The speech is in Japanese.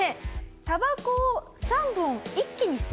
たばこを３本一気に吸います。